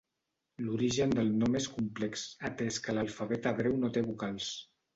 L'origen del nom és complex, atès que l'alfabet hebreu no té vocals.